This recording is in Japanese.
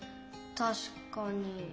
たしかに。